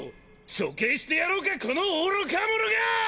処刑してやろうかこの愚か者が！